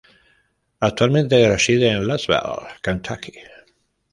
Actualmente reside en Louisville, Kentucky.